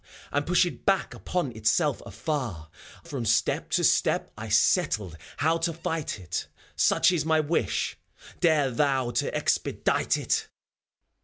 And push it back upon itself afar I From step to step I settled how to fight it : Such is my wish : dare thou to expedite it! 194 FAUST.